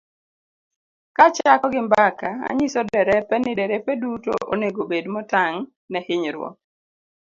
Ka achako gi mbaka, anyiso derepe ni derepe duto onego obed motang ' ne hinyruok.